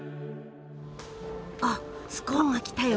あスコーンがきたよ。